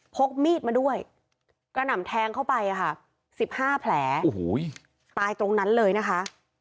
กมีดมาด้วยกระหน่ำแทงเข้าไปค่ะ๑๕แผลโอ้โหตายตรงนั้นเลยนะคะ